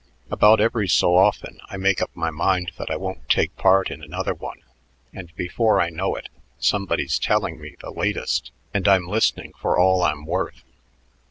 About every so often I make up my mind that I won't take part in another one, and before I know it somebody's telling me the latest and I'm listening for all I'm worth."